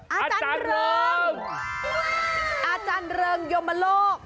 อาจารย์เริงอาจารย์เริงยมโลก